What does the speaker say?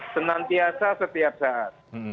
senantiasa setiap saat